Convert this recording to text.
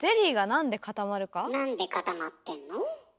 なんで固まってんの？